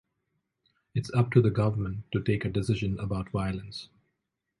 It’s up to the government to take a decision about violence.